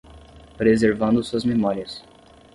Preservando suas memórias